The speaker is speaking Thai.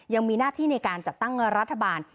ยังมีหน้าที่ในการจัดตั้งรัฐบาล